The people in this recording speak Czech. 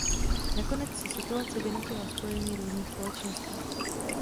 Nakonec si situace vynutila spojení různých společností.